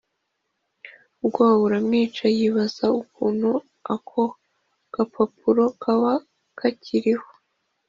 ubwoba buramwica yibaza ukuntu ako gapapuro kaba kakiriho